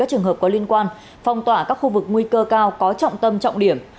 có liên quan phong tỏa các khu vực nguy cơ cao có trọng tâm trọng điểm